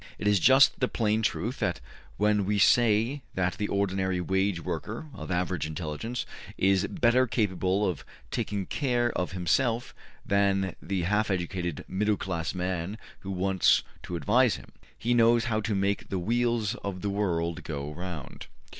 ... It is just the plain truth when we say that the ordinary wage worker, of average intelligence, is better capable of taking care of himself than the half educated middle class man who wants to advise him. He knows how to make the wheels of the world go round.''